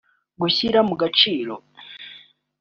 gushyira mu gaciro